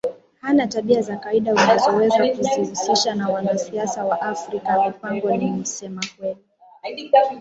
hana tabia za kawaida unazoweza kuzihusisha na wanasiasa wa Afrika Mpango ni msema kweli